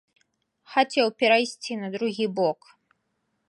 Хацеў перайсці на другі бок.